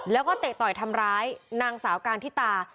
แล้วก็เตะต่อยทำร้ายนางสาวการทิตา